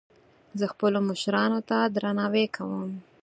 زه خپلو مشرانو ته درناوی کوم